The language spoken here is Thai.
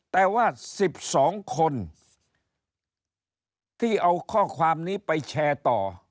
แต่ว่า๑๒คนที่เอาข้อความนี้ไปแชร์ต่อ